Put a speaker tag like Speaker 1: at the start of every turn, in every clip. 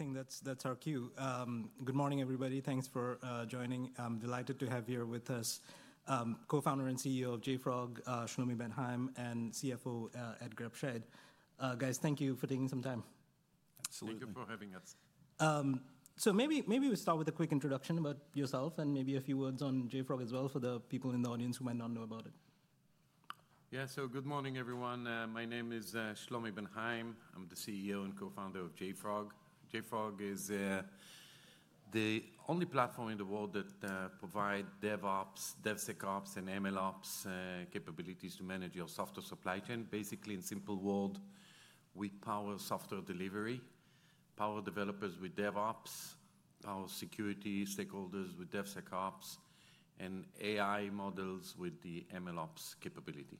Speaker 1: All right, I think that's our cue. Good morning, everybody. Thanks for joining. I'm delighted to have here with us co-founder and CEO of JFrog, Shlomi Ben Haim, and CFO Ed Grabscheid. Guys, thank you for taking some time.
Speaker 2: Absolutely.
Speaker 3: Thank you for having us. Maybe we start with a quick introduction about yourself and maybe a few words on JFrog as well for the people in the audience who might not know about it. Yeah, so good morning, everyone. My name is Shlomi Ben Haim. I'm the CEO and co-founder of JFrog. JFrog is the only platform in the world that provides DevOps, DevSecOps, and MLOps capabilities to manage your software supply chain. Basically, in simple words, we power software delivery, power developers with DevOps, power security stakeholders with DevSecOps, and AI models with the MLOps capability.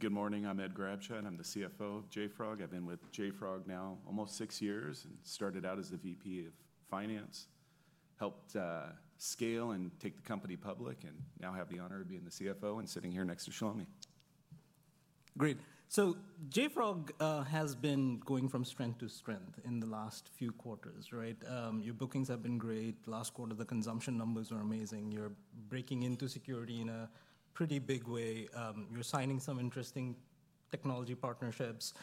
Speaker 2: Good morning. I'm Ed Grabscheid. I'm the CFO of JFrog. I've been with JFrog now almost six years and started out as the VP of Finance, helped scale and take the company public, and now have the honor of being the CFO and sitting here next to Shlomi. Great. JFrog has been going from strength to strength in the last few quarters, right? Your bookings have been great. Last quarter, the consumption numbers were amazing. You're breaking into security in a pretty big way. You're signing some interesting technology partnerships.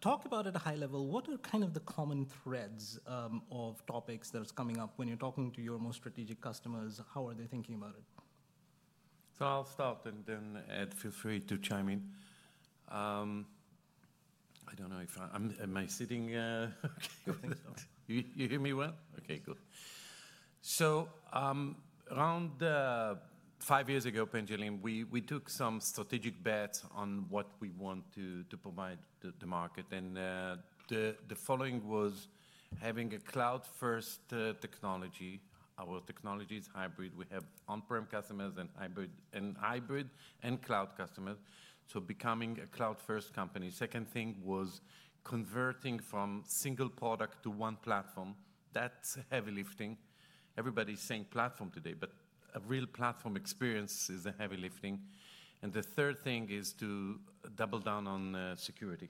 Speaker 2: Talk about it at a high level. What are kind of the common threads of topics that are coming up when you're talking to your most strategic customers? How are they thinking about it?
Speaker 3: I'll start, and then Ed, feel free to chime in. I don't know if I'm, am I sitting? Good. You hear me well? Okay, good. Around five years ago, Pinjalim, we took some strategic bets on what we want to provide the market. The following was having a cloud-first technology. Our technology is hybrid. We have on-prem customers and hybrid and cloud customers. Becoming a cloud-first company. Second thing was converting from single product to one platform. That's heavy lifting. Everybody's saying platform today, but a real platform experience is heavy lifting. The third thing is to double down on security.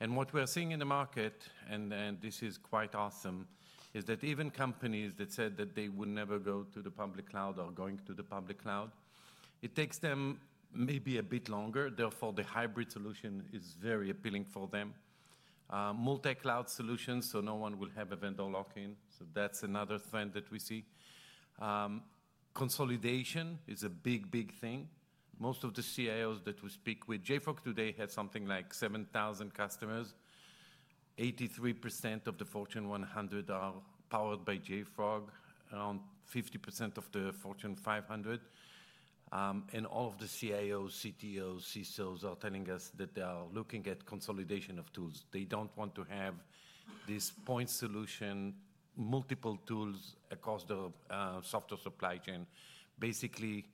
Speaker 3: What we're seeing in the market, and this is quite awesome, is that even companies that said that they would never go to the public cloud are going to the public cloud. It takes them maybe a bit longer. Therefore, the hybrid solution is very appealing for them. Multi-cloud solutions, so no one will have a vendor lock-in. That's another trend that we see. Consolidation is a big, big thing. Most of the CIOs that we speak with, JFrog today has something like 7,000 customers. 83% of the Fortune 100 are powered by JFrog, around 50% of the Fortune 500. All of the CIOs, CTOs, CISOs are telling us that they are looking at consolidation of tools. They do not want to have this point solution, multiple tools across the software supply chain. Basically,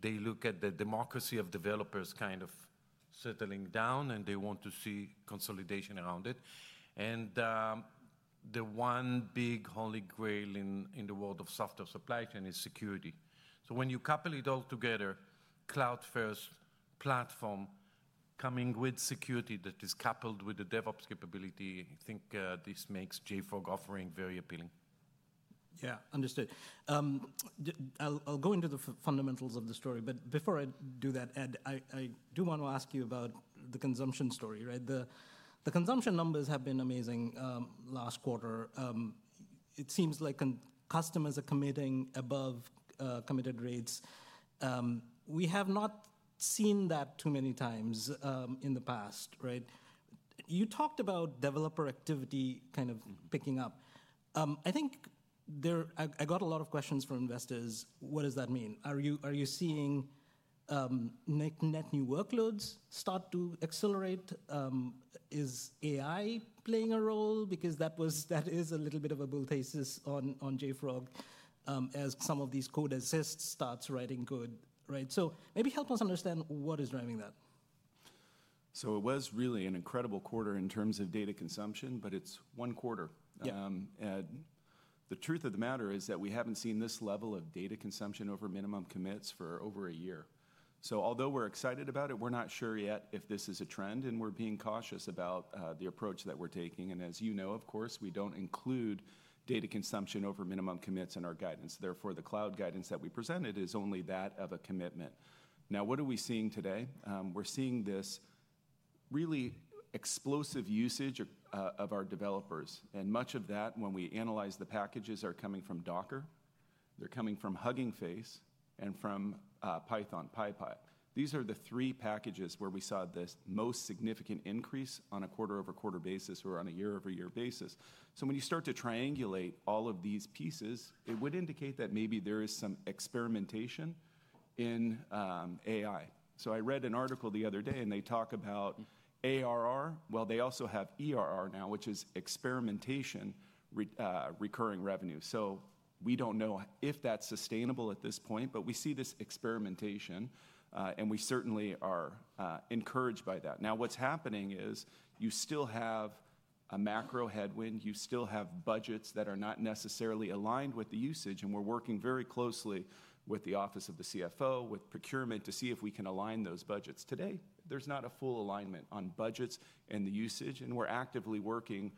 Speaker 3: they look at the democracy of developers kind of settling down, and they want to see consolidation around it. The one big holy grail in the world of software supply chain is security. When you couple it all together, cloud-first platform coming with security that is coupled with the DevOps capability, I think this makes JFrog offering very appealing. Yeah, understood. I'll go into the fundamentals of the story. Before I do that, Ed, I do want to ask you about the consumption story, right? The consumption numbers have been amazing last quarter. It seems like customers are committing above committed rates. We have not seen that too many times in the past, right? You talked about developer activity kind of picking up. I think I got a lot of questions from investors. What does that mean? Are you seeing net new workloads start to accelerate? Is AI playing a role? That is a little bit of a bull thesis on JFrog as some of these code assists start writing code, right? Maybe help us understand what is driving that.
Speaker 2: It was really an incredible quarter in terms of data consumption, but it's one quarter. The truth of the matter is that we haven't seen this level of data consumption over minimum commits for over a year. Although we're excited about it, we're not sure yet if this is a trend, and we're being cautious about the approach that we're taking. As you know, of course, we don't include data consumption over minimum commits in our guidance. Therefore, the cloud guidance that we presented is only that of a commitment. Now, what are we seeing today? We're seeing this really explosive usage of our developers. Much of that, when we analyze the packages, are coming from Docker. They're coming from Hugging Face and from Python, PyPI. These are the three packages where we saw the most significant increase on a quarter-over-quarter basis or on a year-over-year basis. When you start to triangulate all of these pieces, it would indicate that maybe there is some experimentation in AI. I read an article the other day, and they talk about ARR. They also have ERR now, which is experimentation recurring revenue. We do not know if that is sustainable at this point, but we see this experimentation, and we certainly are encouraged by that. What is happening is you still have a macro headwind. You still have budgets that are not necessarily aligned with the usage. We are working very closely with the Office of the CFO, with procurement, to see if we can align those budgets. Today, there is not a full alignment on budgets and the usage. We are actively working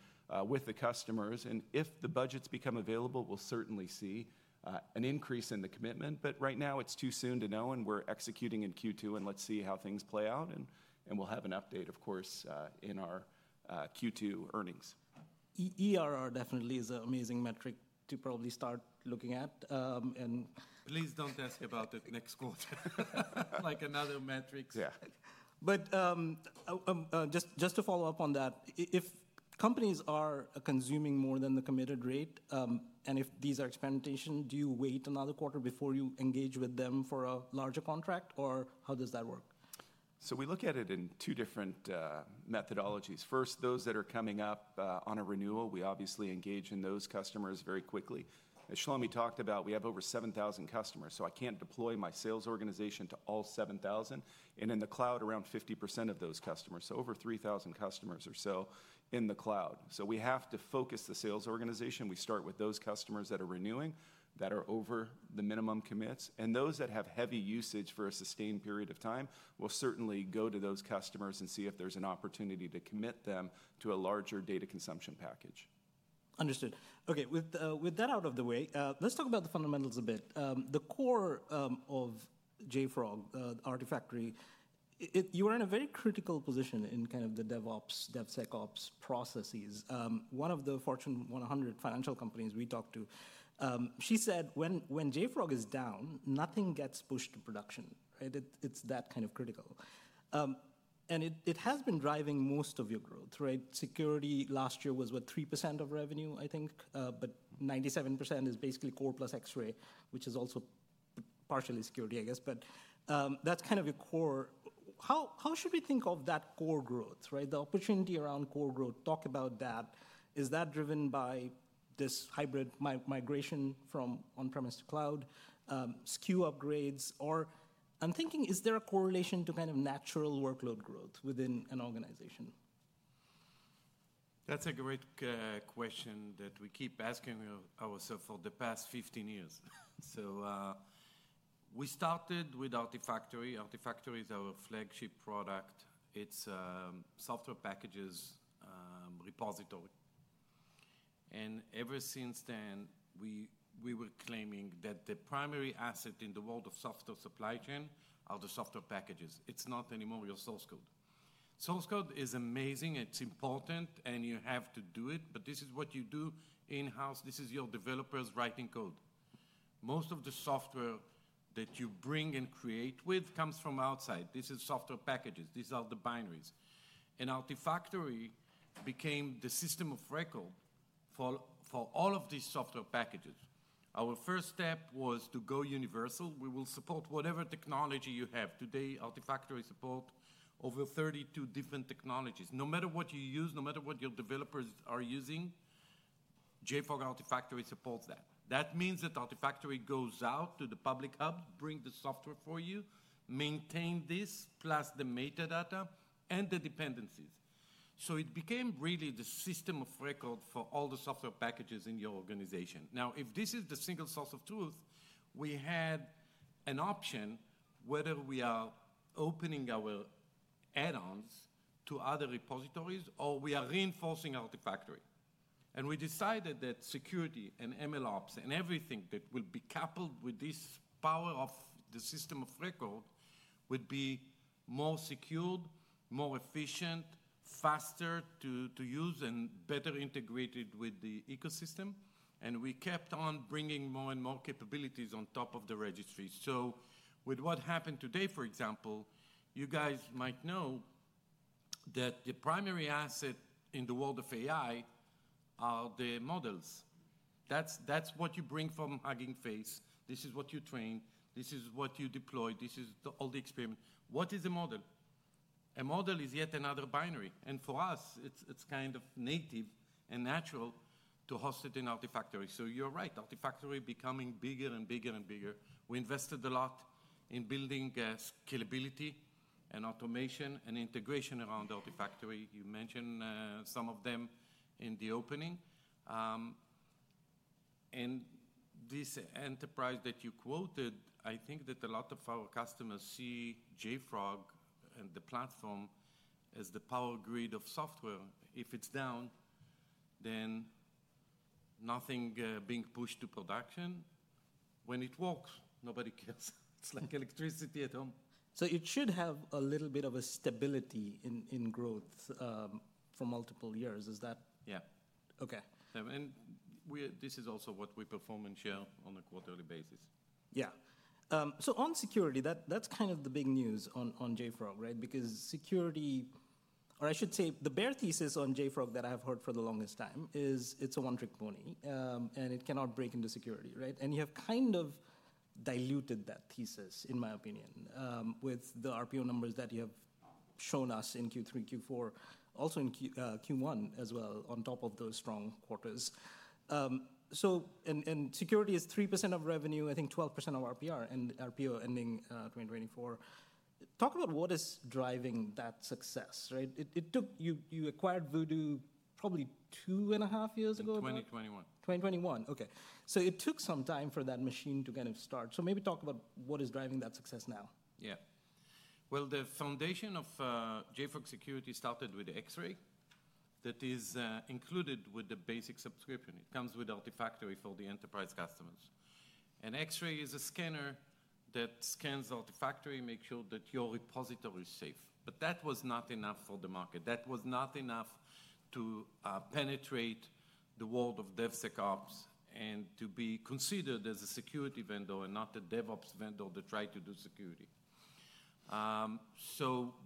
Speaker 2: with the customers. If the budgets become available, we'll certainly see an increase in the commitment. Right now, it's too soon to know. We're executing in Q2. Let's see how things play out. We'll have an update, of course, in our Q2 earnings. ERR definitely is an amazing metric to probably start looking at.
Speaker 3: Please don't ask about it next quarter. Like another metric.
Speaker 2: Yeah. Just to follow up on that, if companies are consuming more than the committed rate, and if these are experimentation, do you wait another quarter before you engage with them for a larger contract? Or how does that work? We look at it in two different methodologies. First, those that are coming up on a renewal, we obviously engage in those customers very quickly. As Shlomi talked about, we have over 7,000 customers. I can't deploy my sales organization to all 7,000. In the cloud, around 50% of those customers, so over 3,000 customers or so in the cloud. We have to focus the sales organization. We start with those customers that are renewing, that are over the minimum commits. Those that have heavy usage for a sustained period of time, we will certainly go to those customers and see if there's an opportunity to commit them to a larger data consumption package. Understood. Okay, with that out of the way, let's talk about the fundamentals a bit. The core of JFrog, Artifactory, you were in a very critical position in kind of the DevOps, DevSecOps processes. One of the Fortune 100 financial companies we talked to, she said, when JFrog is down, nothing gets pushed to production, right? It's that kind of critical. And it has been driving most of your growth, right? Security last year was what, 3% of revenue, I think? But 97% is basically core plus Xray, which is also partially security, I guess. But that's kind of your core. How should we think of that core growth, right? The opportunity around core growth, talk about that. Is that driven by this hybrid migration from on-premise to cloud, SKU upgrades? Or I'm thinking, is there a correlation to kind of natural workload growth within an organization?
Speaker 3: That's a great question that we keep asking ourselves for the past 15 years. We started with Artifactory. Artifactory is our flagship product. It's a software packages repository. Ever since then, we were claiming that the primary asset in the world of software supply chain are the software packages. It's not anymore your source code. Source code is amazing. It's important. You have to do it. This is what you do in-house. This is your developers writing code. Most of the software that you bring and create with comes from outside. This is software packages. These are the binaries. Artifactory became the system of record for all of these software packages. Our first step was to go universal. We will support whatever technology you have. Today, Artifactory supports over 32 different technologies. No matter what you use, no matter what your developers are using, JFrog Artifactory supports that. That means that Artifactory goes out to the public hub, brings the software for you, maintains this, plus the metadata and the dependencies. It became really the system of record for all the software packages in your organization. Now, if this is the single source of truth, we had an option whether we are opening our add-ons to other repositories or we are reinforcing Artifactory. We decided that security and MLOps and everything that will be coupled with this power of the system of record would be more secured, more efficient, faster to use, and better integrated with the ecosystem. We kept on bringing more and more capabilities on top of the registry. With what happened today, for example, you guys might know that the primary asset in the world of AI are the models. That's what you bring from Hugging Face. This is what you train. This is what you deploy. This is all the experiment. What is a model? A model is yet another binary. And for us, it's kind of native and natural to host it in Artifactory. You're right, Artifactory is becoming bigger and bigger and bigger. We invested a lot in building scalability and automation and integration around Artifactory. You mentioned some of them in the opening. This enterprise that you quoted, I think that a lot of our customers see JFrog and the platform as the power grid of software. If it's down, then nothing is being pushed to production. When it works, nobody cares. It's like electricity at home. It should have a little bit of a stability in growth for multiple years. Is that? Yeah. Okay. This is also what we perform and share on a quarterly basis. Yeah. On security, that's kind of the big news on JFrog, right? Because security, or I should say the bear thesis on JFrog that I've heard for the longest time is it's a one-trick pony, and it cannot break into security, right? You have kind of diluted that thesis, in my opinion, with the RPO numbers that you have shown us in Q3, Q4, also in Q1 as well, on top of those strong quarters. Security is 3% of revenue, I think 12% of RPO, and RPO ending 2024. Talk about what is driving that success, right? You acquired Vdoo probably two and a half years ago. 2021. 2021. Okay. It took some time for that machine to kind of start. Maybe talk about what is driving that success now. Yeah. The foundation of JFrog Security started with Xray that is included with the basic subscription. It comes with Artifactory for the enterprise customers. Xray is a scanner that scans Artifactory, makes sure that your repository is safe. That was not enough for the market. That was not enough to penetrate the world of DevSecOps and to be considered as a security vendor and not a DevOps vendor that tried to do security.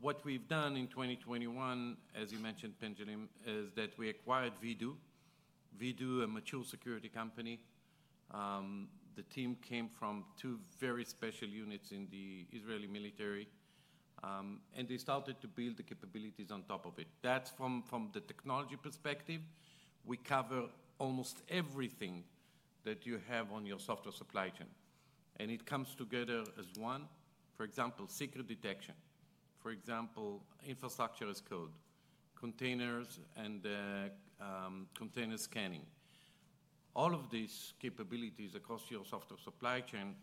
Speaker 3: What we've done in 2021, as you mentioned, Pinjalim, is that we acquired Vdoo. Vdoo, a mature security company. The team came from two very special units in the Israeli military. They started to build the capabilities on top of it. That's from the technology perspective. We cover almost everything that you have on your software supply chain. It comes together as one. For example, secret detection. For example, infrastructure as code, containers, and container scanning. All of these capabilities across your software supply chain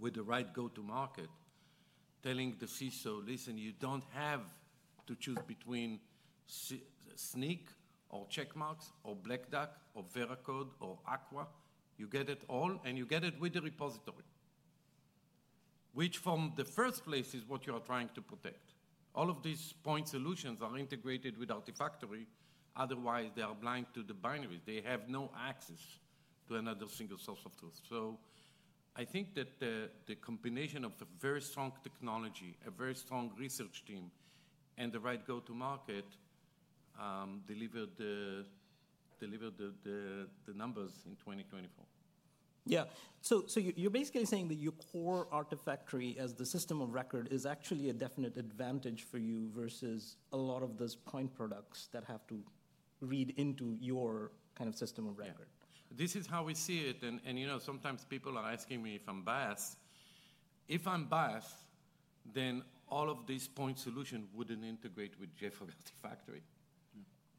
Speaker 3: with the right go-to-market, telling the CISO, listen, you do not have to choose between Snyk or Checkmarx or Black Duck or Veracode or Aqua. You get it all. You get it with the repository, which from the first place is what you are trying to protect. All of these point solutions are integrated with Artifactory. Otherwise, they are blind to the binaries. They have no access to another single source of truth. I think that the combination of a very strong technology, a very strong research team, and the right go-to-market delivered the numbers in 2024. Yeah. So you're basically saying that your core Artifactory as the system of record is actually a definite advantage for you versus a lot of those point products that have to read into your kind of system of record. Yeah. This is how we see it. You know, sometimes people are asking me if I'm biased. If I'm biased, then all of these point solutions wouldn't integrate with JFrog Artifactory.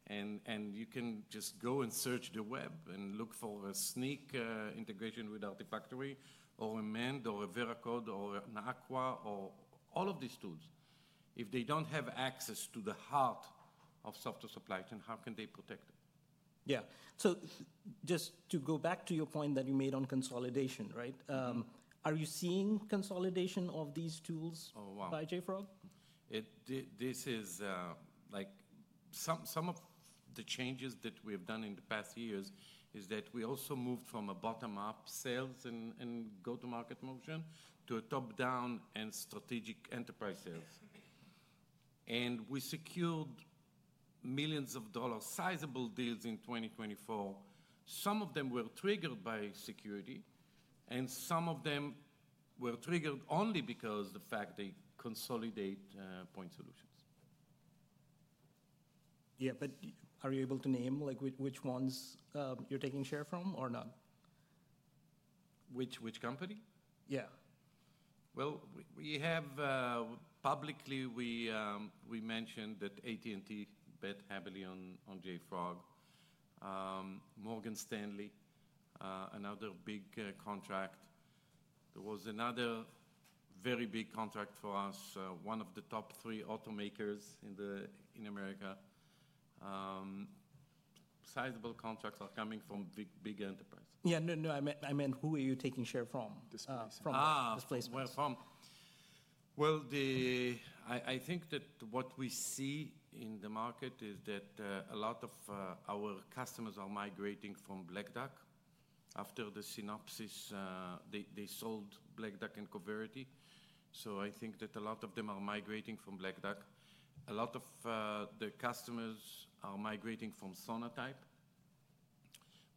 Speaker 3: You can just go and search the web and look for a Snyk integration with Artifactory or a Mend or a Veracode or an Aqua or all of these tools. If they don't have access to the heart of software supply chain, how can they protect it? Yeah. Just to go back to your point that you made on consolidation, right? Are you seeing consolidation of these tools by JFrog? This is like some of the changes that we have done in the past years is that we also moved from a bottom-up sales and go-to-market motion to a top-down and strategic enterprise sales. We secured millions of dollars sizable deals in 2024. Some of them were triggered by security. Some of them were triggered only because of the fact they consolidate point solutions. Yeah. Are you able to name which ones you're taking share from or not? Which company? Yeah. We have publicly mentioned that AT&T bet heavily on JFrog. Morgan Stanley, another big contract. There was another very big contract for us, one of the top three automakers in America. Sizable contracts are coming from big enterprises. Yeah. No, I meant who are you taking share from? Displacement. From. I think that what we see in the market is that a lot of our customers are migrating from Black Duck. After Synopsys, they sold Black Duck and Coverity. I think that a lot of them are migrating from Black Duck. A lot of the customers are migrating from Sonatype,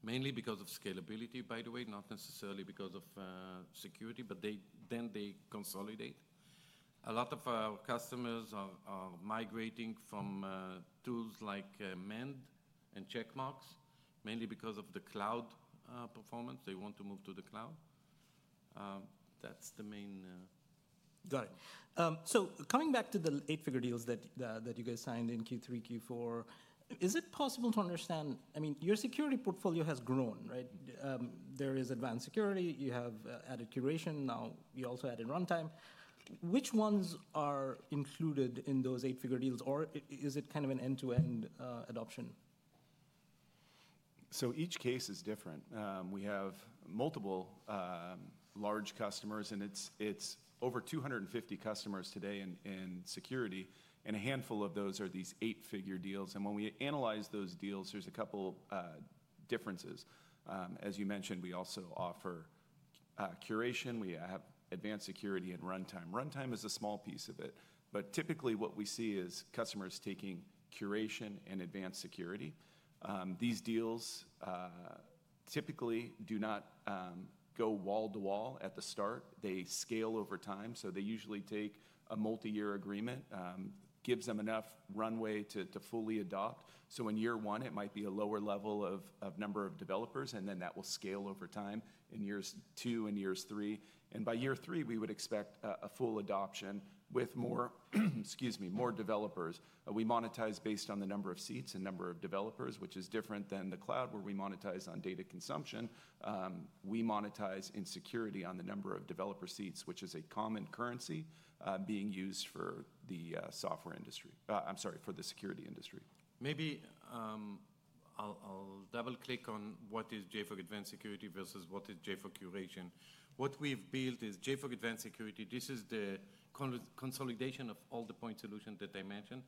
Speaker 3: mainly because of scalability, by the way, not necessarily because of security. They consolidate. A lot of our customers are migrating from tools like Mend and Checkmarx, mainly because of the cloud performance. They want to move to the cloud. That's the main. Got it. Coming back to the eight-figure deals that you guys signed in Q3, Q4, is it possible to understand? I mean, your security portfolio has grown, right? There is advanced security. You have added curation. Now, you also added runtime. Which ones are included in those eight-figure deals? Or is it kind of an end-to-end adoption?
Speaker 2: Each case is different. We have multiple large customers. It is over 250 customers today in security. A handful of those are these eight-figure deals. When we analyze those deals, there are a couple differences. As you mentioned, we also offer curation. We have advanced security and runtime. Runtime is a small piece of it. Typically, what we see is customers taking curation and advanced security. These deals typically do not go wall to wall at the start. They scale over time. They usually take a multi-year agreement, which gives them enough runway to fully adopt. In year one, it might be a lower level of number of developers. That will scale over time in years two and three. By year three, we would expect a full adoption with more developers. We monetize based on the number of seats and number of developers, which is different than the cloud, where we monetize on data consumption. We monetize in security on the number of developer seats, which is a common currency being used for the software industry. I'm sorry, for the security industry.
Speaker 3: Maybe I'll double-click on what is JFrog Advanced Security versus what is JFrog Curation. What we've built is JFrog Advanced Security. This is the consolidation of all the point solutions that I mentioned.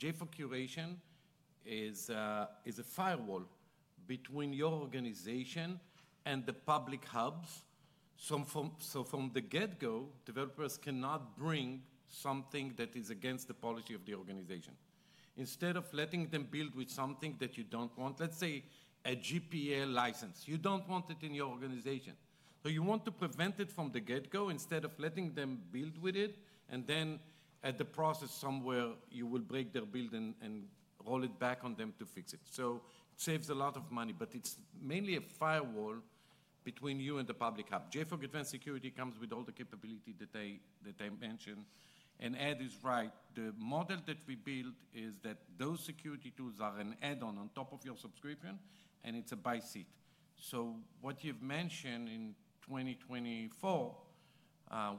Speaker 3: JFrog Curation is a firewall between your organization and the public hubs. From the get-go, developers cannot bring something that is against the policy of the organization. Instead of letting them build with something that you don't want, let's say a GPL license, you don't want it in your organization. You want to prevent it from the get-go instead of letting them build with it, and then at the process somewhere, you will break their build and roll it back on them to fix it. It saves a lot of money. It's mainly a firewall between you and the public hub. JFrog Advanced Security comes with all the capability that I mentioned. Ed is right. The model that we built is that those security tools are an add-on on top of your subscription. And it's a by-seat. What you've mentioned in 2024,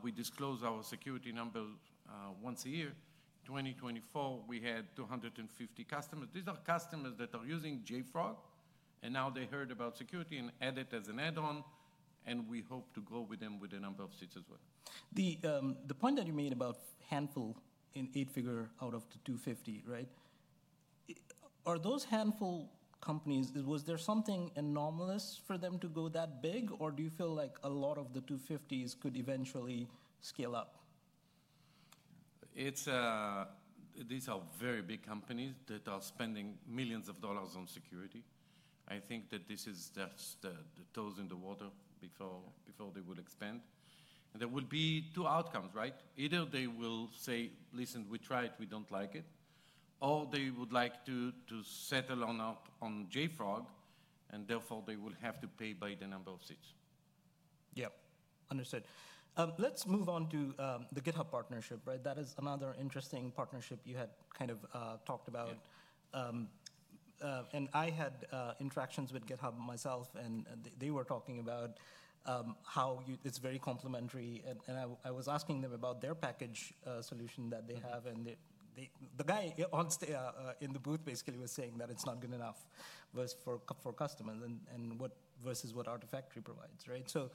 Speaker 3: we disclose our security numbers once a year. In 2024, we had 250 customers. These are customers that are using JFrog. And now they heard about security and add it as an add-on. We hope to go with them with a number of seats as well. The point that you made about handful in eight-figure out of the 250, right? Are those handful companies, was there something anomalous for them to go that big? Or do you feel like a lot of the 250s could eventually scale up? These are very big companies that are spending millions of dollars on security. I think that this is just the toes in the water before they will expand. There will be two outcomes, right? Either they will say, listen, we tried. We do not like it. Or they would like to settle on JFrog. Therefore, they will have to pay by the number of seats. Yeah. Understood. Let's move on to the GitHub partnership, right? That is another interesting partnership you had kind of talked about. And I had interactions with GitHub myself. And they were talking about how it's very complementary. And I was asking them about their package solution that they have. And the guy in the booth basically was saying that it's not good enough for customers versus what Artifactory provides, right? So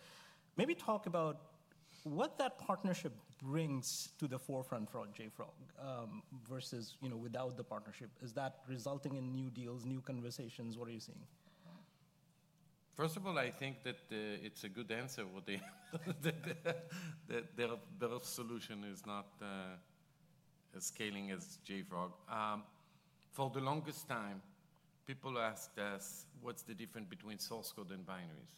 Speaker 3: maybe talk about what that partnership brings to the forefront for JFrog versus without the partnership. Is that resulting in new deals, new conversations? What are you seeing? First of all, I think that it's a good answer. Their solution is not scaling as JFrog. For the longest time, people asked us, what's the difference between source code and binaries?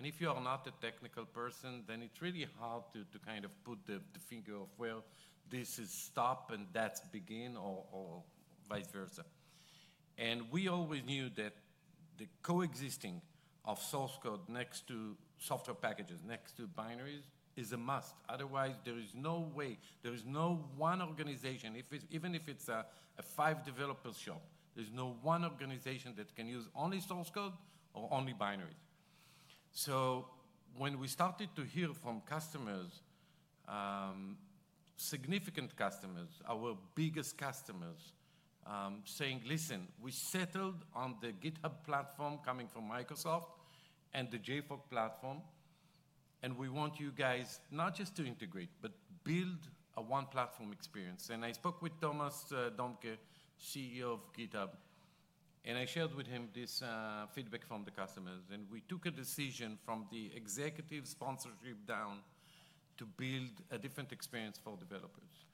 Speaker 3: And if you are not a technical person, then it's really hard to kind of put the finger of where this is stop and that's begin or vice versa. We always knew that the coexisting of source code next to software packages, next to binaries, is a must. Otherwise, there is no way. There is no one organization, even if it's a five-developers shop, there's no one organization that can use only source code or only binaries. When we started to hear from customers, significant customers, our biggest customers, saying, listen, we settled on the GitHub platform coming from Microsoft and the JFrog platform. We want you guys not just to integrate, but build a one-platform experience. I spoke with Thomas Dohmke, CEO of GitHub. I shared with him this feedback from the customers. We took a decision from the executive sponsorship down to build a different experience for developers.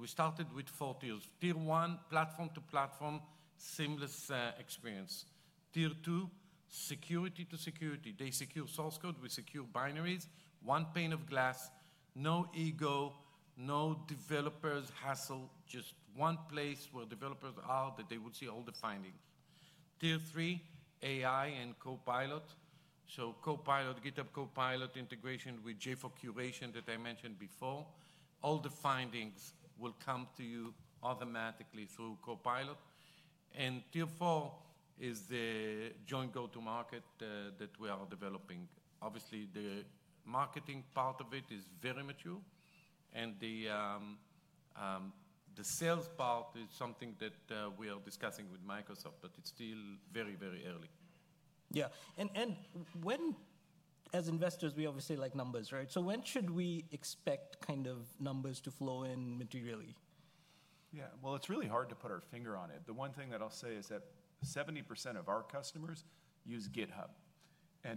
Speaker 3: We started with four tiers. Tier one, platform to platform, seamless experience. Tier two, security to security. They secure source code. We secure binaries. One pane of glass. No ego, no developers' hassle. Just one place where developers are that they will see all the findings. Tier three, AI and Copilot. So Copilot, GitHub Copilot integration with JFrog Curation that I mentioned before. All the findings will come to you automatically through Copilot. Tier four is the joint go-to-market that we are developing. Obviously, the marketing part of it is very mature. The sales part is something that we are discussing with Microsoft. It is still very, very early. Yeah. As investors, we obviously like numbers, right? When should we expect kind of numbers to flow in materially?
Speaker 2: Yeah. It's really hard to put our finger on it. The one thing that I'll say is that 70% of our customers use GitHub.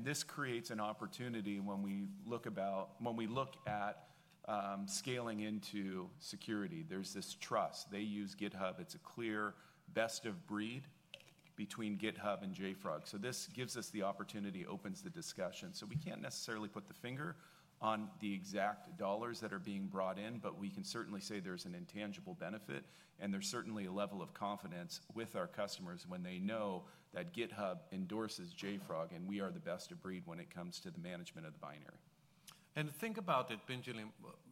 Speaker 2: This creates an opportunity when we look at scaling into security. There's this trust. They use GitHub. It's a clear best of breed between GitHub and JFrog. This gives us the opportunity, opens the discussion. We can't necessarily put the finger on the exact dollars that are being brought in. We can certainly say there's an intangible benefit. There's certainly a level of confidence with our customers when they know that GitHub endorses JFrog. We are the best of breed when it comes to the management of the binary.
Speaker 3: Think about it, Pinjalim.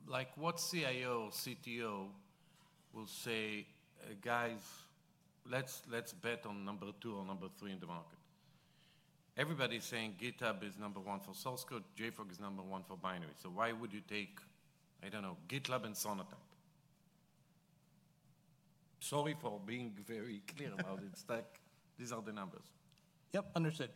Speaker 3: Like what CIO or CTO will say, guys, let's bet on number two or number three in the market. Everybody's saying GitHub is number one for source code. JFrog is number one for binary. So why would you take, I don't know, GitLab and Sonatype? Sorry for being very clear about it. These are the numbers. Yep. Understood.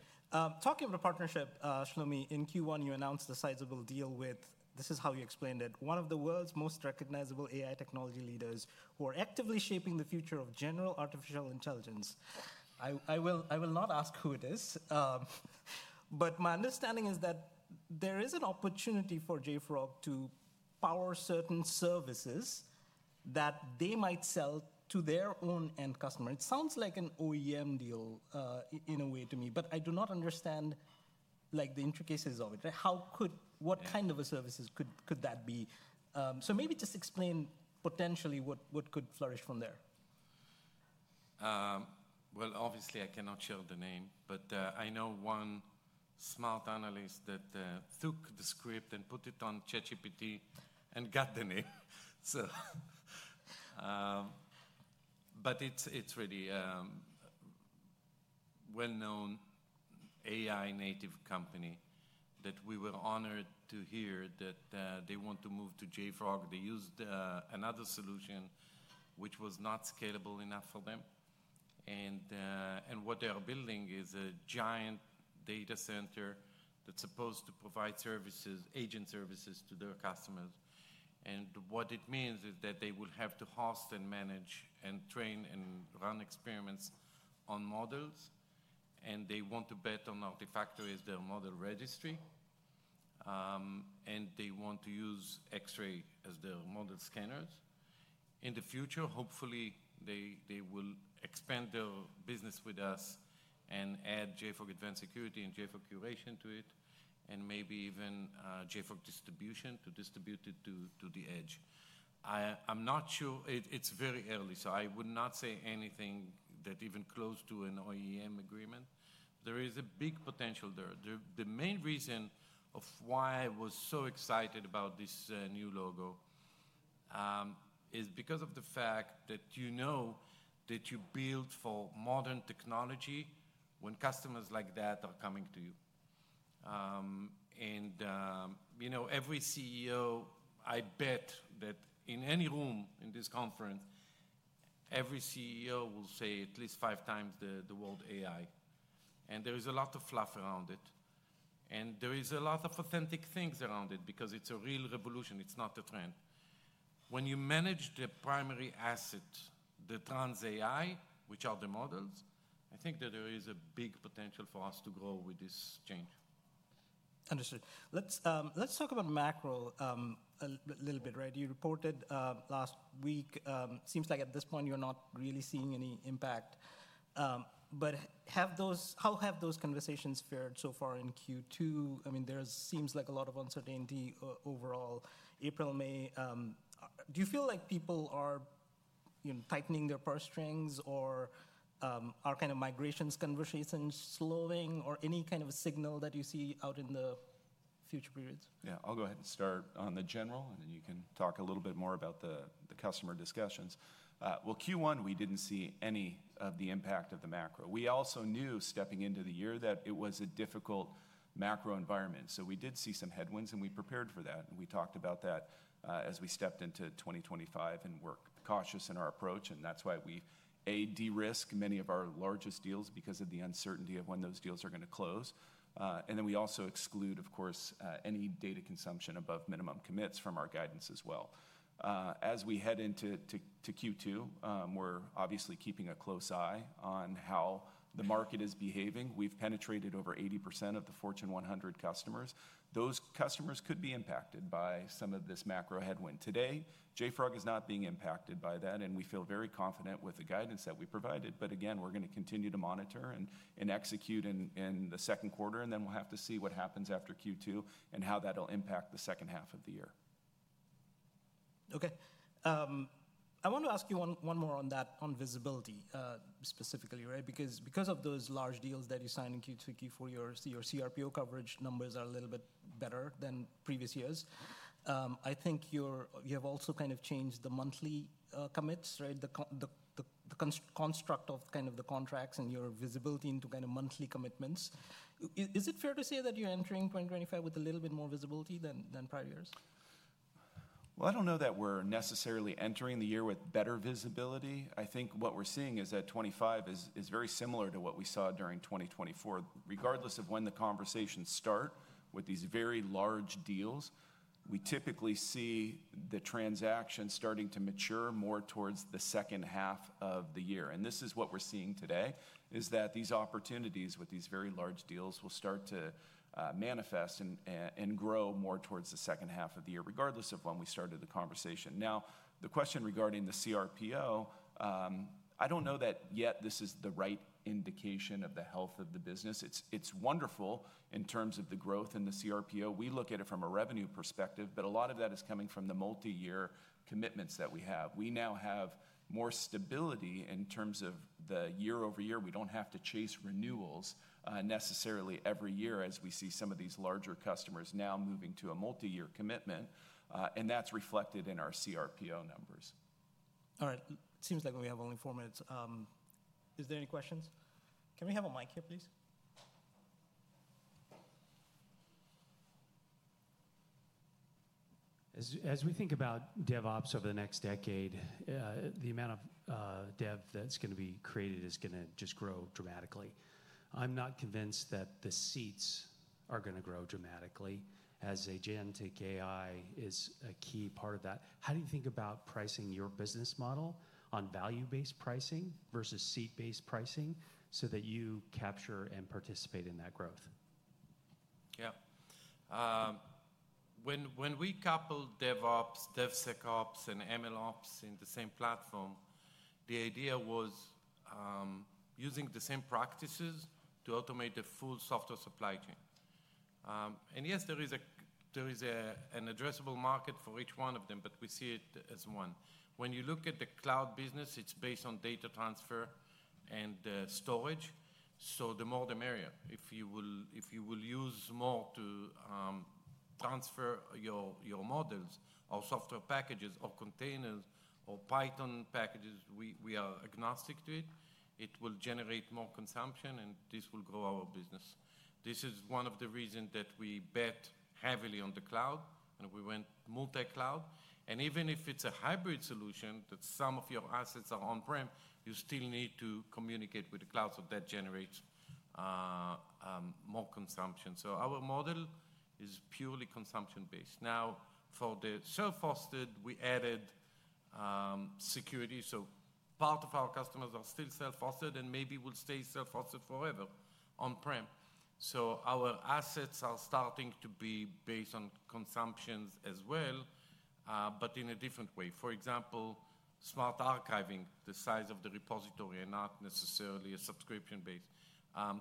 Speaker 3: Talking about a partnership, Shlomi, in Q1, you announced a sizable deal with, this is how you explained it, one of the world's most recognizable AI technology leaders who are actively shaping the future of general artificial intelligence. I will not ask who it is. My understanding is that there is an opportunity for JFrog to power certain services that they might sell to their own end customer. It sounds like an OEM deal in a way to me. I do not understand the intricacies of it. What kind of a service could that be? Maybe just explain potentially what could flourish from there. Obviously, I cannot share the name. I know one smart analyst that took the script and put it on ChatGPT and got the name. It is really a well-known AI native company that we were honored to hear that they want to move to JFrog. They used another solution, which was not scalable enough for them. What they are building is a giant data center that is supposed to provide services, agent services to their customers. What it means is that they will have to host and manage and train and run experiments on models. They want to bet on Artifactory as their model registry. They want to use Xray as their model scanners. In the future, hopefully, they will expand their business with us and add JFrog Advanced Security and JFrog Curation to it. Maybe even JFrog Distribution to distribute it to the edge. I'm not sure. It's very early. I would not say anything that's even close to an OEM agreement. There is a big potential there. The main reason of why I was so excited about this new logo is because of the fact that you know that you build for modern technology when customers like that are coming to you. Every CEO, I bet that in any room in this conference, every CEO will say at least 5x the word AI. There is a lot of fluff around it. There is a lot of authentic things around it because it's a real revolution. It's not a trend. When you manage the primary assets, the trans-AI, which are the models, I think that there is a big potential for us to grow with this change. Understood. Let's talk about macro a little bit, right? You reported last week. Seems like at this point, you're not really seeing any impact. I mean, how have those conversations fared so far in Q2? There seems like a lot of uncertainty overall, April, May. Do you feel like people are tightening their purse strings or are kind of migrations conversations slowing or any kind of a signal that you see out in the future periods?
Speaker 2: Yeah. I'll go ahead and start on the general. You can talk a little bit more about the customer discussions. Q1, we didn't see any of the impact of the macro. We also knew stepping into the year that it was a difficult macro environment. We did see some headwinds. We prepared for that. We talked about that as we stepped into 2025 and worked. Cautious in our approach. That's why we, A, de-risk many of our largest deals because of the uncertainty of when those deals are going to close. We also exclude, of course, any data consumption above minimum commits from our guidance as well. As we head into Q2, we're obviously keeping a close eye on how the market is behaving. We've penetrated over 80% of the Fortune 100 customers. Those customers could be impacted by some of this macro headwind. Today, JFrog is not being impacted by that. We feel very confident with the guidance that we provided. Again, we're going to continue to monitor and execute in the second quarter. We will have to see what happens after Q2 and how that'll impact the second half of the year. OK. I want to ask you one more on that, on visibility specifically, right? Because of those large deals that you signed in Q2, Q4, your CRPO coverage numbers are a little bit better than previous years. I think you have also kind of changed the monthly commits, right? The construct of kind of the contracts and your visibility into kind of monthly commitments. Is it fair to say that you're entering 2025 with a little bit more visibility than prior years? I don't know that we're necessarily entering the year with better visibility. I think what we're seeing is that 2025 is very similar to what we saw during 2024. Regardless of when the conversations start with these very large deals, we typically see the transactions starting to mature more towards the second half of the year. This is what we're seeing today, that these opportunities with these very large deals will start to manifest and grow more towards the second half of the year, regardless of when we started the conversation. Now, the question regarding the CRPO, I don't know that yet this is the right indication of the health of the business. It's wonderful in terms of the growth in the CRPO. We look at it from a revenue perspective. A lot of that is coming from the multi-year commitments that we have. We now have more stability in terms of the year over year. We do not have to chase renewals necessarily every year as we see some of these larger customers now moving to a multi-year commitment. That is reflected in our CRPO numbers. All right. It seems like we have only four minutes. Is there any questions? Can we have a mic here, please? As we think about DevOps over the next decade, the amount of Dev that's going to be created is going to just grow dramatically. I'm not convinced that the seats are going to grow dramatically as agentic AI is a key part of that. How do you think about pricing your business model on value-based pricing versus seat-based pricing so that you capture and participate in that growth?
Speaker 3: Yeah. When we coupled DevOps, DevSecOps, and MLOps in the same platform, the idea was using the same practices to automate the full software supply chain. Yes, there is an addressable market for each one of them. We see it as one. When you look at the cloud business, it is based on data transfer and storage. The more the merrier. If you will use more to transfer your models or software packages or containers or Python packages, we are agnostic to it. It will generate more consumption. This will grow our business. This is one of the reasons that we bet heavily on the cloud. We went multi-cloud. Even if it is a hybrid solution that some of your assets are on-prem, you still need to communicate with the cloud. That generates more consumption. Our model is purely consumption-based. Now, for the self-hosted, we added security. Part of our customers are still self-hosted. Maybe we'll stay self-hosted forever on-prem. Our assets are starting to be based on consumptions as well, but in a different way. For example, smart archiving, the size of the repository and not necessarily a subscription-based.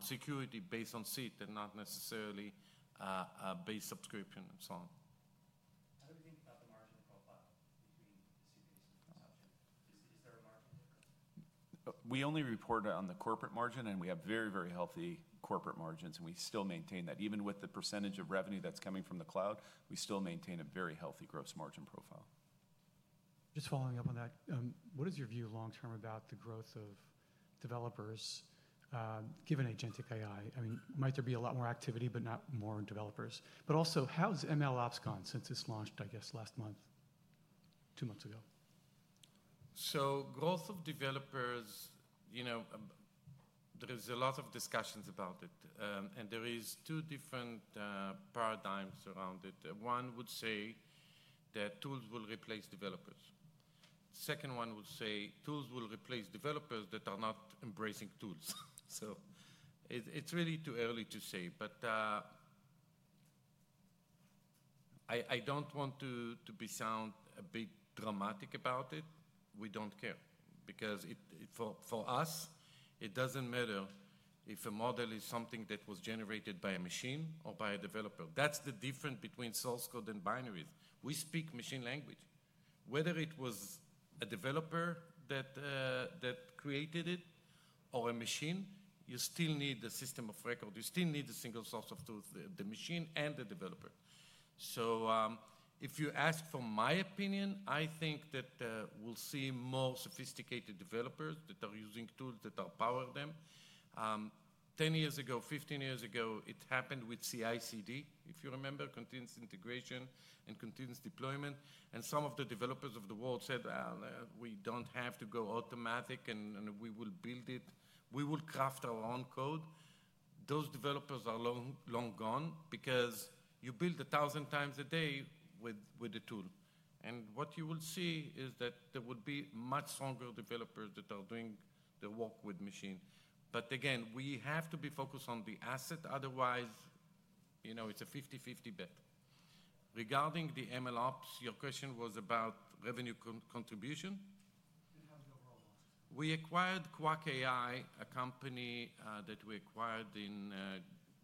Speaker 3: Security based on seat and not necessarily a base subscription and so on. How do we think about the margin profile between the CPUs and the consumption? Is there a margin difference?
Speaker 2: We only report on the corporate margin. We have very, very healthy corporate margins. We still maintain that. Even with the percentage of revenue that's coming from the cloud, we still maintain a very healthy gross margin profile. Just following up on that, what is your view long-term about the growth of developers given agentic AI? I mean, might there be a lot more activity, but not more developers? Also, how's MLOps gone since it's launched, I guess, last month, two months ago?
Speaker 3: Growth of developers, there is a lot of discussions about it. There are two different paradigms around it. One would say that tools will replace developers. The second one would say tools will replace developers that are not embracing tools. It is really too early to say. I do not want to sound a bit dramatic about it. We do not care. For us, it does not matter if a model is something that was generated by a machine or by a developer. That is the difference between source code and binaries. We speak machine language. Whether it was a developer that created it or a machine, you still need the system of record. You still need the single source of truth, the machine and the developer. If you ask for my opinion, I think that we will see more sophisticated developers that are using tools that power them. Ten years ago, fifteen years ago, it happened with CI/CD, if you remember, Continuous Integration and Continuous Deployment. Some of the developers of the world said, we do not have to go automatic. We will build it. We will craft our own code. Those developers are long gone because you build 1,000x a day with a tool. What you will see is that there will be much stronger developers that are doing the work with machine. Again, we have to be focused on the asset. Otherwise, it is a 50/50 bet. Regarding the MLOps, your question was about revenue contribution. We acquired Qwak, a company that we acquired in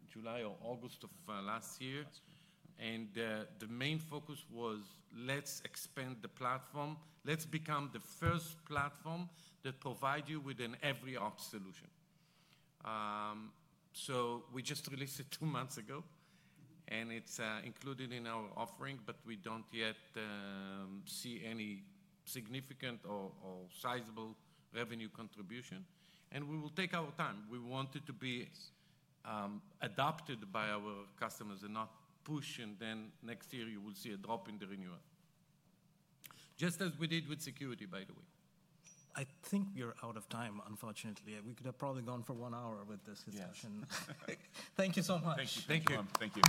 Speaker 3: July or August of last year. The main focus was, let's expand the platform. Let's become the first platform that provides you with an every ops solution. We just released it two months ago. It is included in our offering. We do not yet see any significant or sizable revenue contribution. We will take our time. We want it to be adopted by our customers and not push. Next year, you will see a drop in the renewal, just as we did with security, by the way. I think we are out of time, unfortunately. We could have probably gone for one hour with this discussion. Thank you so much. Thank you.